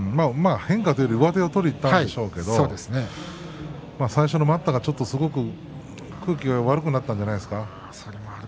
変化というよりも上手を取りにいったのでしょうけれども最初の待ったが空気が悪くなったのではないでしょうか。